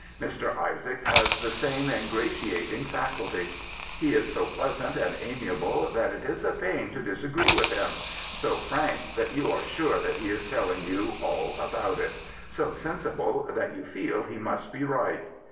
Mr. Isaacs has the same ingr^ating faculty. He is so pleasant and amiable that it is a pain to disagree with him ; so frank that you are sure that he is telling you all about it ; so sensible that you feel he must be right.